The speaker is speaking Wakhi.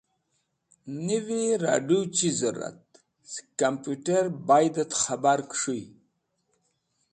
Nivi radũ chiz zẽrũrat? sẽk komputer̃ baydẽt khẽbar kẽs̃hũy.